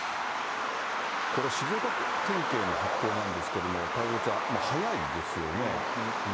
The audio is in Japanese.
これ、静岡県警の発表なんですけれども、太蔵ちゃん、早いですね。